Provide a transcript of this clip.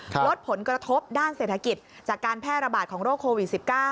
ลดผลกระทบด้านเศรษฐกิจจากการแพร่ระบาดของโรคโควิด๑๙